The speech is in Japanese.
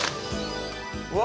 うわ！